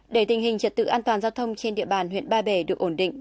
để tình hình trật tự an toàn giao thông trên địa bàn huyện ba bể được ổn định